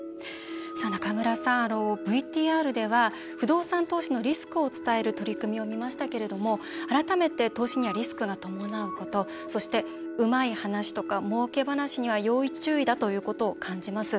中村さん、ＶＴＲでは不動産投資のリスクを伝える取り組みを見ましたけれども改めて投資にはリスクが伴うことそして、うまい話とかもうけ話には要注意だということを感じます。